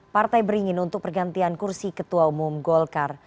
partai beringin untuk pergantian kursi ketua umum golkar